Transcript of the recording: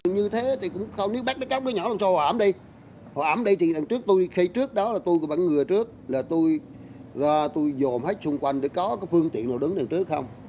như thế thì cũng không nếu bắt cóc nó nhỏ lần sau họ ẩm đi họ ẩm đi thì đằng trước tôi khi trước đó là tôi vẫn ngừa trước là tôi dồn hết xung quanh để có phương tiện nào đứng đằng trước không